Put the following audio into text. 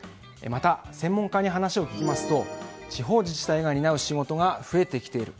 また、専門家に話を聞きますと地方自治体が担う仕事が増えてきている。